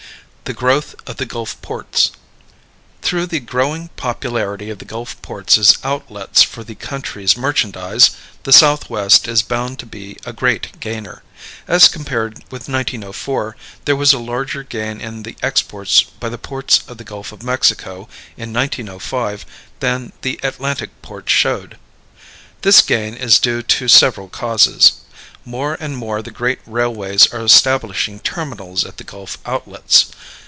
The Growth of the Gulf Ports. Through the growing popularity of the Gulf ports as outlets for the country's merchandise, the Southwest is bound to be a great gainer. As compared with 1904, there was a larger gain in the exports by the ports of the Gulf of Mexico in 1905 than the Atlantic ports showed. This gain is due to several causes. More and more the great railways are establishing terminals at the Gulf outlets.